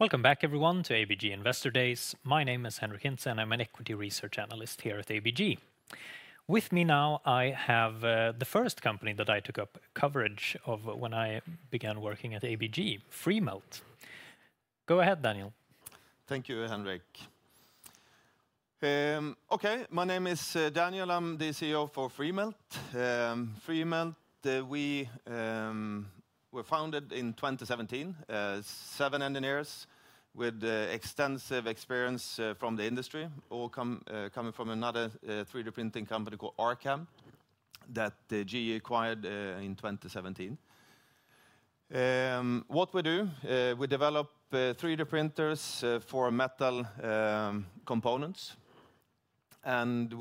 Welcome back, everyone, to ABG Investor Days. My name is Henric Hintze, and I'm an equity research analyst here at ABG. With me now, I have the first company that I took up coverage of when I began working at ABG: Freemelt. Go ahead, Daniel. Thank you, Henric. Okay, my name is Daniel. I'm the CEO for Freemelt. Freemelt, we were founded in 2017, seven engineers with extensive experience from the industry, all coming from another 3D printing company called Arcam that GE acquired in 2017. What we do, we develop 3D printers for metal components, and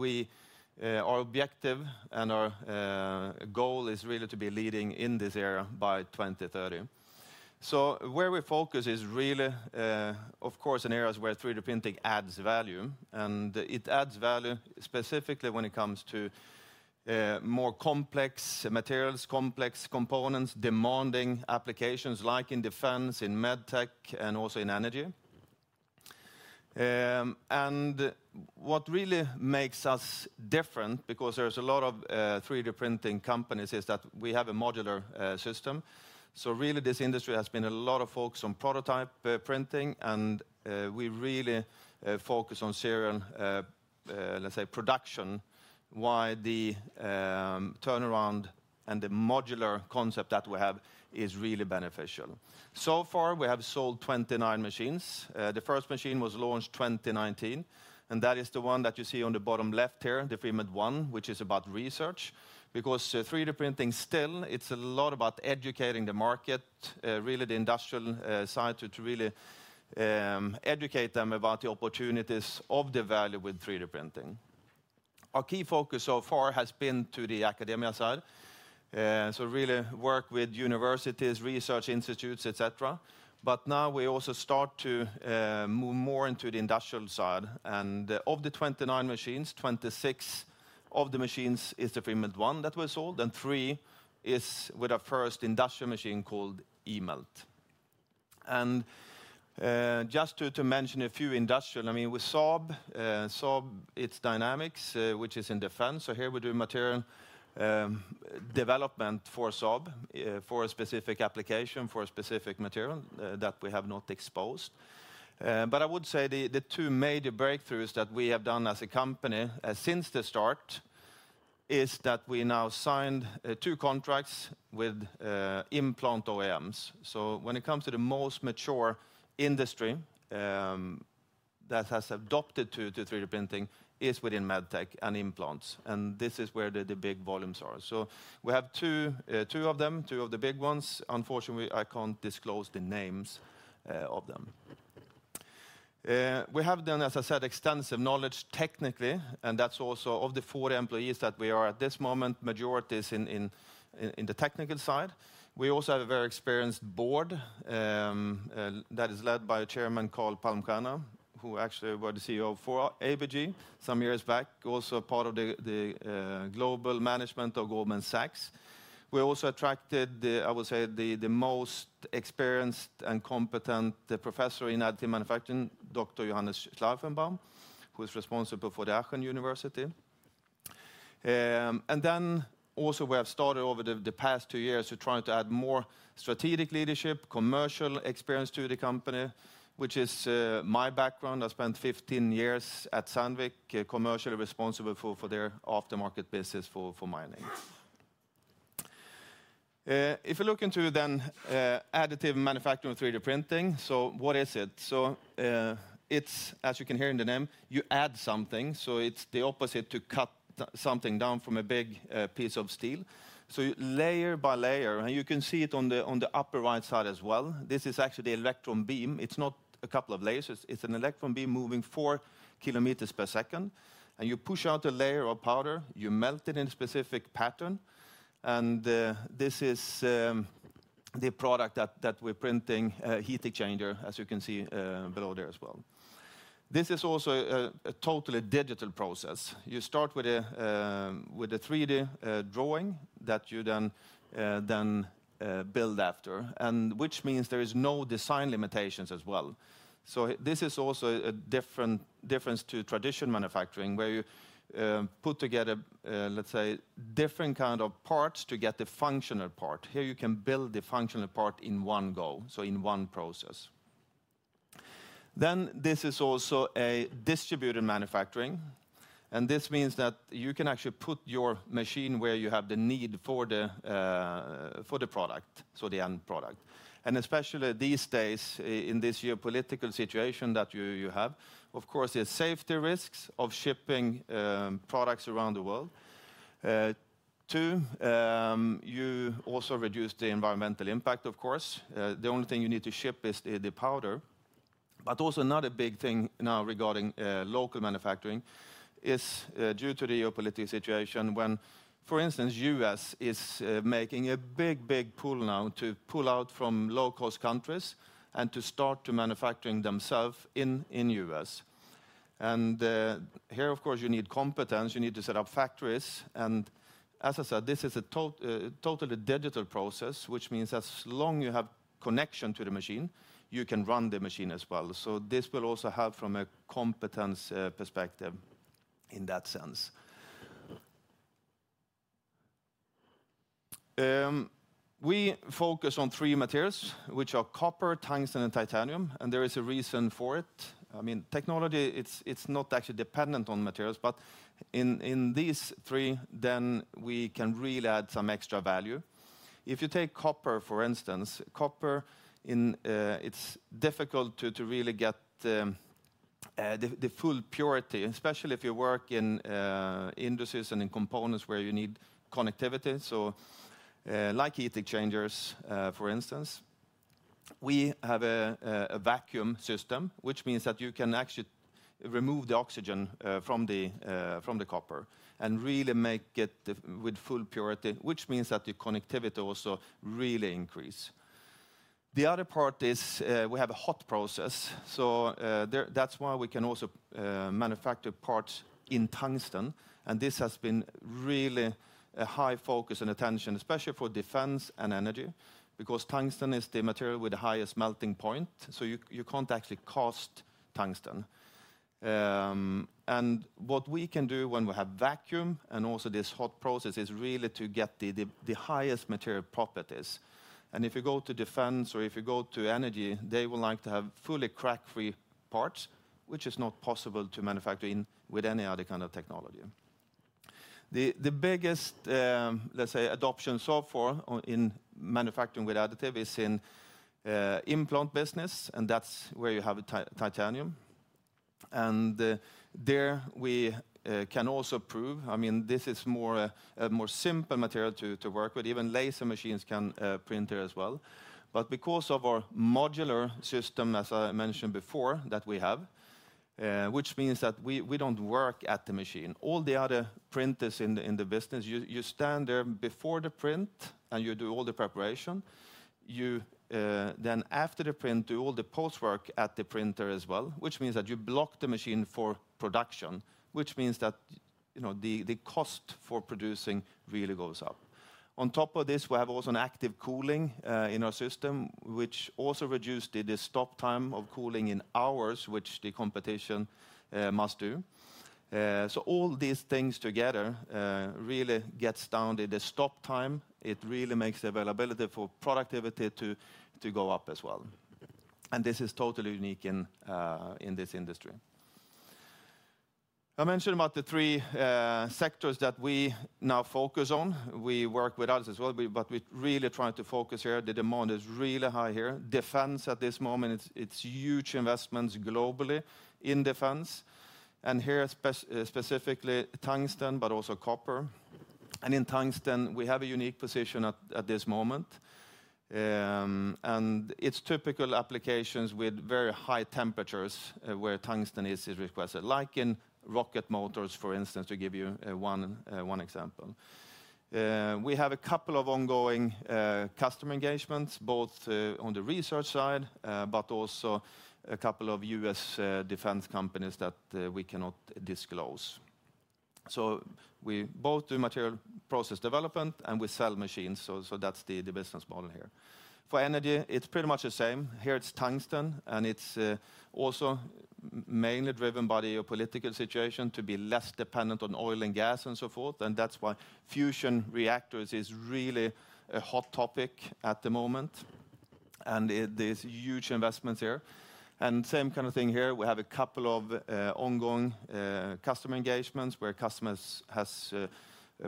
our objective and our goal is really to be leading in this area by 2030, so where we focus is really, of course, in areas where 3D printing adds value, and it adds value specifically when it comes to more complex materials, complex components, demanding applications like in defense, in med tech, and also in energy, and what really makes us different, because there's a lot of 3D printing companies, is that we have a modular system. Really, this industry has been a lot of focus on prototype printing, and we really focus on serial, let's say, production, while the turnaround and the modular concept that we have is really beneficial. So far, we have sold 29 machines. The first machine was launched in 2019, and that is the one that you see on the bottom left here, the Freemelt ONE, which is about research, because 3D printing still, it's a lot about educating the market, really the industrial side, to really educate them about the opportunities of the value with 3D printing. Our key focus so far has been to the academia side, so really work with universities, research institutes, etc. But now we also start to move more into the industrial side. Of the 29 machines, 26 of the machines is the Freemelt ONE that was sold, and three is with our first industrial machine called eMELT. Just to mention a few industrial, I mean, with Saab, Saab Dynamics, which is in defense. So here we do material development for Saab, for a specific application, for a specific material that we have not exposed. But I would say the two major breakthroughs that we have done as a company since the start is that we now signed two contracts with implant OEMs. So when it comes to the most mature industry that has adopted to 3D printing is within med tech and implants. And this is where the big volumes are. So we have two of them, two of the big ones. Unfortunately, I can't disclose the names of them. We have done, as I said, extensive knowledge technically, and that's also of the four employees that we are at this moment, majority is in the technical side. We also have a very experienced board that is led by a chairman called Carl Palmstierna, who actually was the CEO for ABG some years back, also part of the global management of Goldman Sachs. We also attracted, I would say, the most experienced and competent professor in additive manufacturing, Dr. Johannes Schleifenbaum, who is responsible for Aachen University. And then also we have started over the past two years to try to add more strategic leadership, commercial experience to the company, which is my background. I spent 15 years at Sandvik, commercially responsible for their aftermarket business for mining. If you look into then additive manufacturing 3D printing, so what is it? So it's, as you can hear in the name, you add something. So it's the opposite to cut something down from a big piece of steel. So layer by layer, and you can see it on the upper right side as well. This is actually the electron beam. It's not a couple of lasers. It's an electron beam moving four kilometers per second. And you push out a layer of powder, you melt it in a specific pattern. And this is the product that we're printing, a heat exchanger, as you can see below there as well. This is also a totally digital process. You start with a 3D drawing that you then build after, which means there are no design limitations as well. So this is also a different difference to traditional manufacturing, where you put together, let's say, different kinds of parts to get the functional part. Here you can build the functional part in one go, so in one process. Then this is also a distributed manufacturing. And this means that you can actually put your machine where you have the need for the product, so the end product. And especially these days, in this geopolitical situation that you have, of course, there are safety risks of shipping products around the world. Too, you also reduce the environmental impact, of course. The only thing you need to ship is the powder. But also another big thing now regarding local manufacturing is due to the geopolitical situation when, for instance, the U.S. is making a big, big pull now to pull out from low-cost countries and to start to manufacture themselves in the U.S. And here, of course, you need competence. You need to set up factories. As I said, this is a totally digital process, which means as long as you have connection to the machine, you can run the machine as well. So this will also help from a competence perspective in that sense. We focus on three materials, which are copper, tungsten, and titanium. And there is a reason for it. I mean, technology, it's not actually dependent on materials, but in these three, then we can really add some extra value. If you take copper, for instance, it's difficult to really get the full purity, especially if you work in industries and in components where you need connectivity. So like heat exchangers, for instance, we have a vacuum system, which means that you can actually remove the oxygen from the copper and really make it with full purity, which means that the connectivity also really increases. The other part is, we have a hot process, so that's why we can also manufacture parts in tungsten, and this has been really a high focus and attention, especially for defense and energy, because tungsten is the material with the highest melting point, so you can't actually cast tungsten, and what we can do when we have vacuum and also this hot process is really to get the highest material properties, and if you go to defense or if you go to energy, they would like to have fully crack-free parts, which is not possible to manufacture with any other kind of technology. The biggest, let's say, adoption so far in manufacturing with additive is in implant business, and that's where you have titanium, and there we can also prove, I mean, this is a more simple material to work with. Even laser machines can print it as well. But because of our modular system, as I mentioned before, that we have, which means that we don't work at the machine. All the other printers in the business, you stand there before the print and you do all the preparation. You then after the print do all the post-work at the printer as well, which means that you block the machine for production, which means that the cost for producing really goes up. On top of this, we have also an active cooling in our system, which also reduces the stop time of cooling in hours, which the competition must do. So all these things together really get down to the stop time. It really makes the availability for productivity to go up as well. And this is totally unique in this industry. I mentioned about the three sectors that we now focus on. We work with others as well, but we're really trying to focus here. The demand is really high here. Defense, at this moment, it's huge investments globally in defense. And here, specifically, tungsten, but also copper. And in tungsten, we have a unique position at this moment. And it's typical applications with very high temperatures where tungsten is requested, like in rocket motors, for instance, to give you one example. We have a couple of ongoing customer engagements, both on the research side, but also a couple of U.S. defense companies that we cannot disclose. So we both do material process development and we sell machines. So that's the business model here. For energy, it's pretty much the same. Here it's tungsten, and it's also mainly driven by the geopolitical situation to be less dependent on oil and gas and so forth. That's why fusion reactors is really a hot topic at the moment, and there's huge investments here, and same kind of thing here. We have a couple of ongoing customer engagements where customers have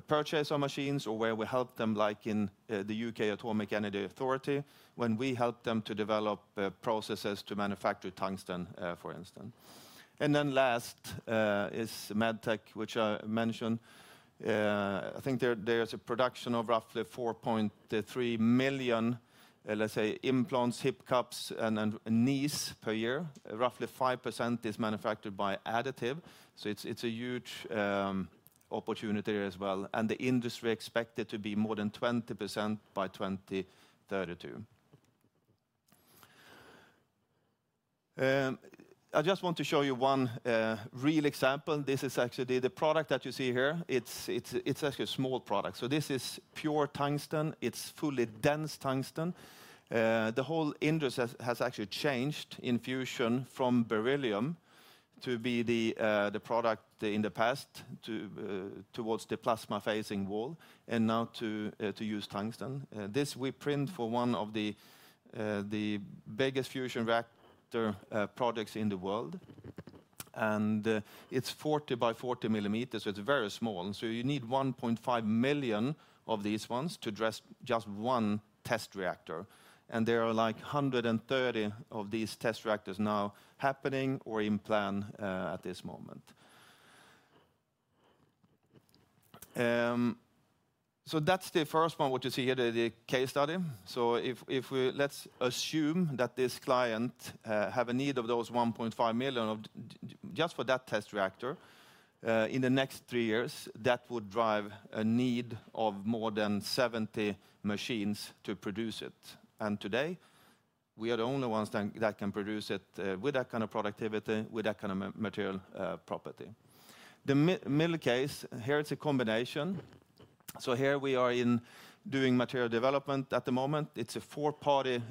purchased our machines or where we help them, like in the U.K. Atomic Energy Authority, when we help them to develop processes to manufacture tungsten, for instance, and then last is med tech, which I mentioned. I think there's a production of roughly 4.3 million, let's say, implants, hip cups, and knees per year. Roughly 5% is manufactured by additive, so it's a huge opportunity as well, and the industry expected to be more than 20% by 2032. I just want to show you one real example. This is actually the product that you see here. It's actually a small product. So this is pure tungsten. It's fully dense tungsten. The whole industry has actually changed in fusion from beryllium to beryllium in the past towards the plasma facing wall and now to use tungsten. This we print for one of the biggest fusion reactor projects in the world, and it's 40/40 millimeters, so it's very small, so you need 1.5 million of these ones to dress just one test reactor, and there are like 130 of these test reactors now happening or planned at this moment, so that's the first one, what you see here, the case study, so let's assume that this client has a need of those 1.5 million just for that test reactor. In the next three years, that would drive a need of more than 70 machines to produce it. Today, we are the only ones that can produce it with that kind of productivity, with that kind of material property. The middle case, here it's a combination. Here we are in doing material development at the moment. It's a four-party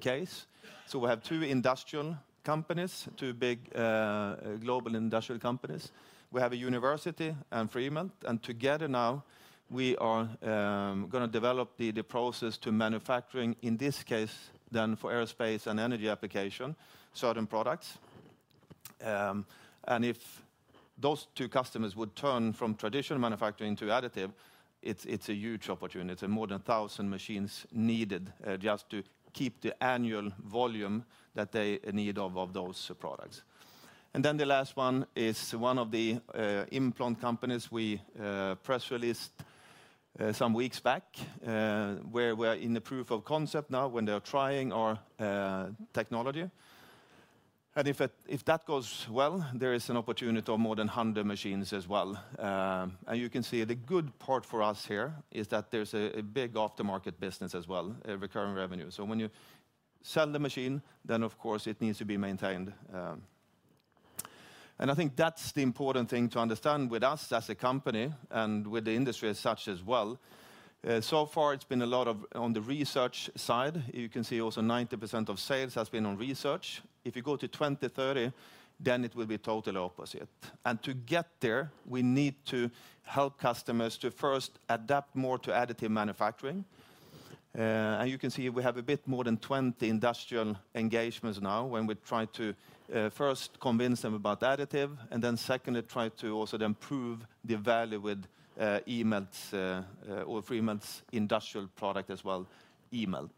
case. We have two industrial companies, two big global industrial companies. We have a university and Freemelt. Together now, we are going to develop the process to manufacturing, in this case, then for aerospace and energy application, certain products. If those two customers would turn from traditional manufacturing to additive, it's a huge opportunity. It's more than 1,000 machines needed just to keep the annual volume that they need of those products. Then the last one is one of the implant companies we press released some weeks back, where we're in the proof of concept now when they're trying our technology. And if that goes well, there is an opportunity of more than 100 machines as well. And you can see the good part for us here is that there's a big aftermarket business as well, recurring revenue. So when you sell the machine, then of course it needs to be maintained. And I think that's the important thing to understand with us as a company and with the industry as such as well. So far, it's been a lot of on the research side. You can see also 90% of sales has been on research. If you go to 2030, then it will be totally opposite. And to get there, we need to help customers to first adapt more to additive manufacturing. And you can see we have a bit more than 20 industrial engagements now when we try to first convince them about additive and then secondly try to also then prove the value with eMELT or Freemelt's industrial product as well, eMELT.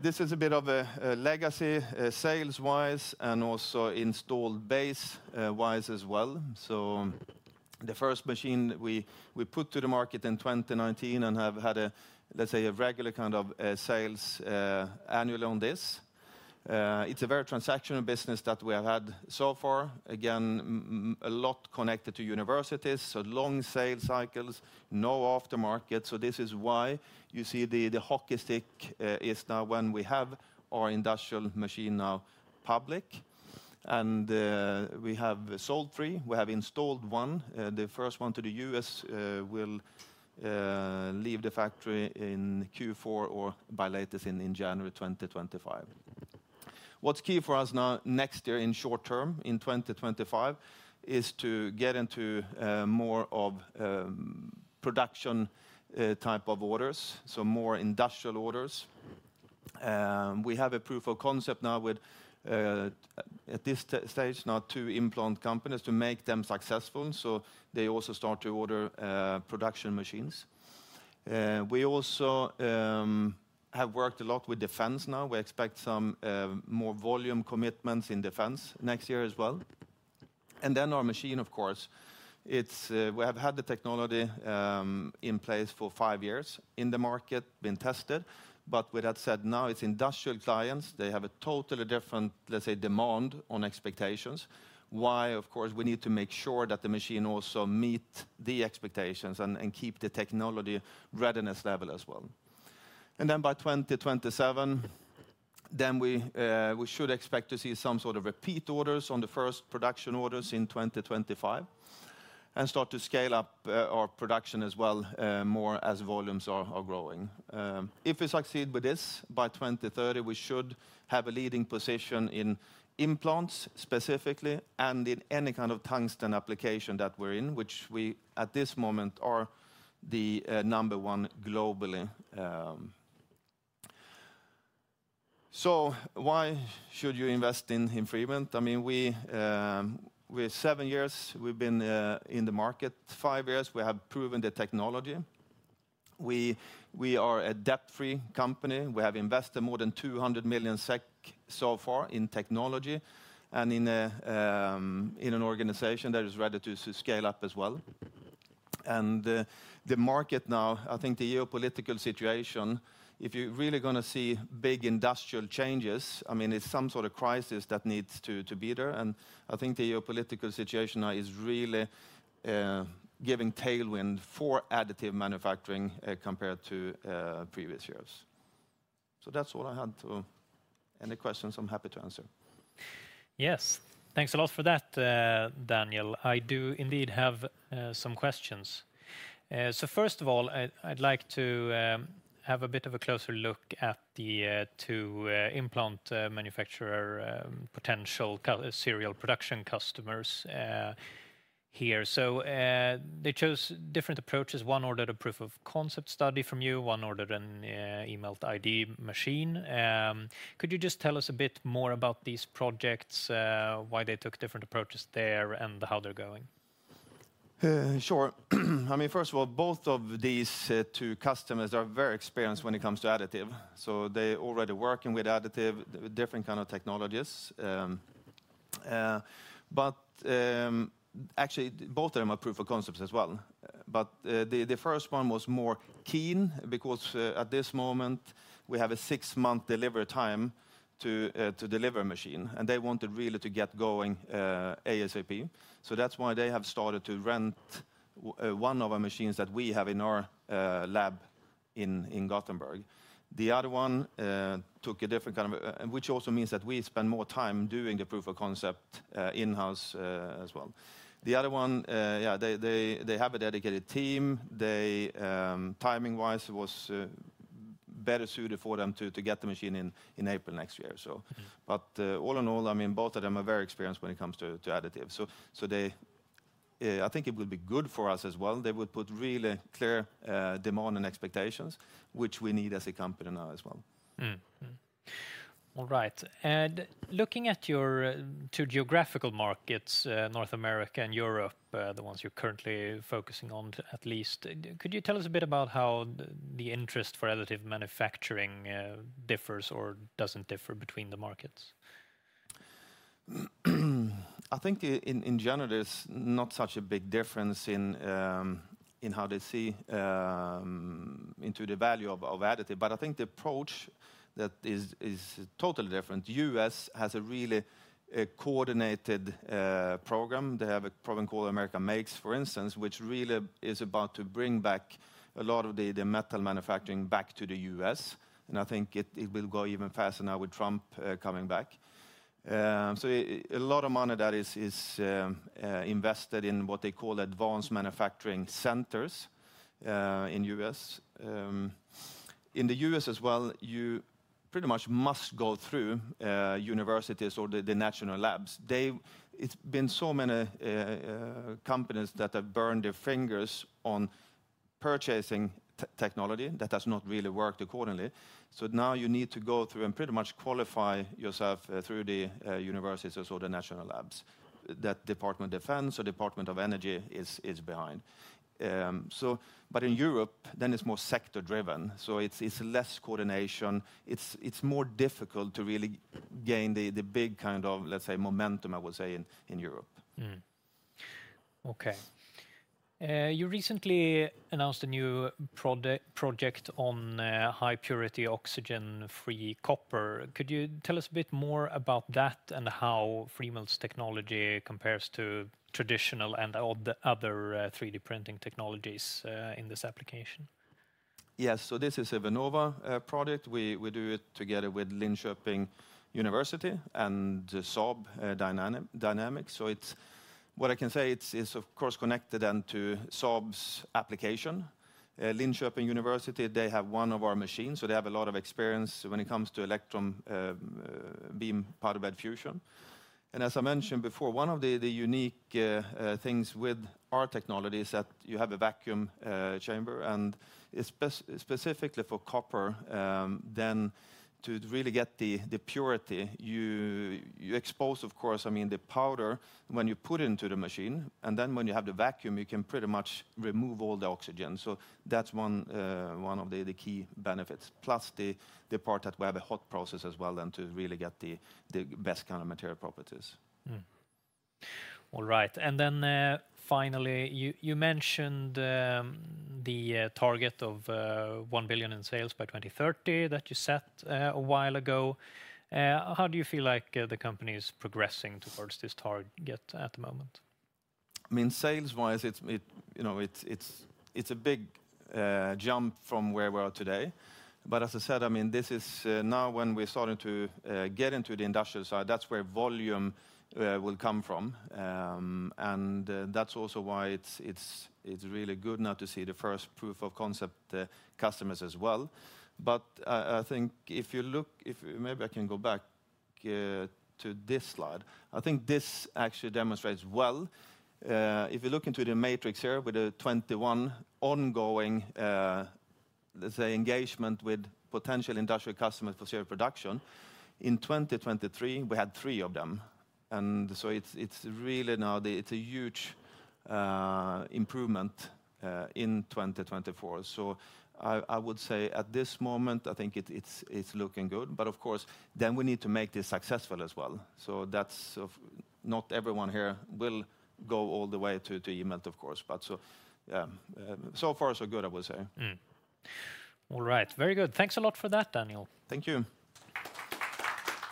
This is a bit of a legacy sales-wise and also installed base-wise as well. The first machine we put to the market in 2019 and have had a, let's say, a regular kind of sales annually on this. It's a very transactional business that we have had so far, again, a lot connected to universities, so long sales cycles, no aftermarket. This is why you see the hockey stick is now when we have our industrial machine now public. We have sold three. We have installed one. The first one to the U.S. will leave the factory in Q4 or at the latest in January 2025. What's key for us now, next year in short term, in 2025, is to get into more of production type of orders, so more industrial orders. We have a proof of concept now with, at this stage, now two implant companies to make them successful so they also start to order production machines. We also have worked a lot with defense now. We expect some more volume commitments in defense next year as well, and then our machine, of course, we have had the technology in place for five years in the market, been tested. But with that said, now it's industrial clients. They have a totally different, let's say, demand on expectations. Why, of course, we need to make sure that the machine also meets the expectations and keep the technology readiness level as well. And then by 2027, we should expect to see some sort of repeat orders on the first production orders in 2025 and start to scale up our production as well more as volumes are growing. If we succeed with this by 2030, we should have a leading position in implants specifically and in any kind of tungsten application that we're in, which we at this moment are the number one globally. So why should you invest in Freemelt? I mean, with seven years, we've been in the market, five years, we have proven the technology. We are a debt-free company. We have invested more than 200 million SEK so far in technology and in an organization that is ready to scale up as well. The market now, I think the geopolitical situation, if you're really going to see big industrial changes, I mean, it's some sort of crisis that needs to be there. I think the geopolitical situation now is really giving tailwind for additive manufacturing compared to previous years. That's all I had. On any questions I'm happy to answer. Yes, thanks a lot for that, Daniel. I do indeed have some questions. First of all, I'd like to have a bit of a closer look at the two implant manufacturer potential serial production customers here. They chose different approaches. One ordered a proof of concept study from you, one ordered an eMELT machine. Could you just tell us a bit more about these projects, why they took different approaches there and how they're going? Sure. I mean, first of all, both of these two customers are very experienced when it comes to additive. So they're already working with additive, different kinds of technologies. But actually, both of them are proof of concepts as well. But the first one was more keen because at this moment, we have a six-month delivery time to deliver a machine. And they wanted really to get going ASAP. So that's why they have started to rent one of our machines that we have in our lab in Gothenburg. The other one took a different kind of, which also means that we spend more time doing the proof of concept in-house as well. The other one, yeah, they have a dedicated team. Timing-wise, it was better suited for them to get the machine in April next year. But all in all, I mean, both of them are very experienced when it comes to additive. So I think it would be good for us as well. They would put really clear demand and expectations, which we need as a company now as well. All right. And looking at your two geographical markets, North America and Europe, the ones you're currently focusing on at least, could you tell us a bit about how the interest for additive manufacturing differs or doesn't differ between the markets? I think in general, there's not such a big difference in how they see into the value of additive. But I think the approach that is totally different. The U.S. has a really coordinated program. They have a program called America Makes, for instance, which really is about to bring back a lot of the metal manufacturing back to the U.S. I think it will go even faster now with Trump coming back. A lot of money that is invested in what they call advanced manufacturing centers in the U.S. In the U.S. as well, you pretty much must go through universities or the national labs. It's been so many companies that have burned their fingers on purchasing technology that has not really worked accordingly. Now you need to go through and pretty much qualify yourself through the universities or the national labs. That Department of Defense or Department of Energy is behind. In Europe, then it's more sector-driven. It's less coordination. It's more difficult to really gain the big kind of, let's say, momentum, I would say, in Europe. Okay. You recently announced a new project on high-purity oxygen-free copper? Could you tell us a bit more about that and how Freemelt's technology compares to traditional and other 3D printing technologies in this application? Yes. So this is a Vinnova project. We do it together with Linköping University and Saab Dynamics. So what I can say is, of course, connected then to Saab's application. Linköping University, they have one of our machines. So they have a lot of experience when it comes to electron beam powder bed fusion. And as I mentioned before, one of the unique things with our technology is that you have a vacuum chamber. And specifically for copper, then to really get the purity, you expose, of course, I mean, the powder when you put it into the machine. And then when you have the vacuum, you can pretty much remove all the oxygen. So that's one of the key benefits. Plus the part that we have a hot process as well then to really get the best kind of material properties. All right, and then finally, you mentioned the target of one billion in sales by 2030 that you set a while ago. How do you feel like the company is progressing towards this target at the moment? I mean, sales-wise, it's a big jump from where we are today, but as I said, I mean, this is now when we're starting to get into the industrial side, that's where volume will come from, and that's also why it's really good now to see the first proof of concept customers as well. But I think if you look, maybe I can go back to this slide. I think this actually demonstrates well. If you look into the matrix here with the 21 ongoing, let's say, engagement with potential industrial customers for serial production, in 2023, we had three of them. So it's really now, it's a huge improvement in 2024. I would say at this moment, I think it's looking good. But of course, then we need to make this successful as well. So not everyone here will go all the way to eMELT, of course. But so far so good, I would say. All right. Very good. Thanks a lot for that, Daniel. Thank you.